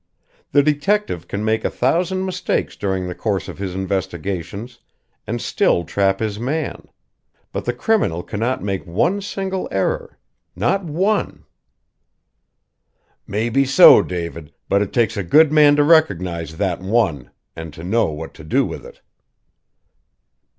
The detective can make a thousand mistakes during the course of his investigations and still trap his man; but the criminal cannot make one single error not one!" "Maybe so, David; but it takes a good man to recognize that one, and to know what to do with it."